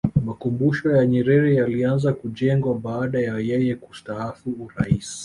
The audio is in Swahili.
makumbusho ya nyerere yalianza kujengwa baada ya yeye kustaafu urais